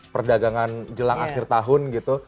perdagangan jelang akhir tahun gitu